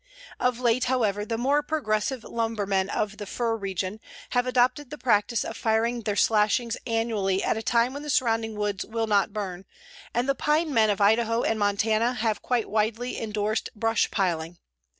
Of late, however, the more progressive lumbermen of the fir region have adopted the practice of firing their slashings annually at a time when the surrounding woods will not burn, and the pine men of Idaho and Montana have quite widely endorsed brush piling.